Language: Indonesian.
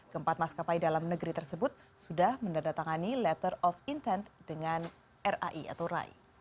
keempat maskapai dalam negeri tersebut sudah mendatangani letter of intent dengan rai